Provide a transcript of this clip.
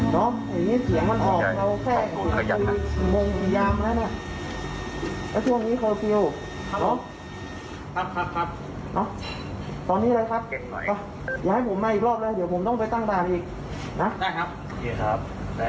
เดี๋ยวผมต้องไปตั้งต่างอีกนะได้ครับโอเคครับได้ครับ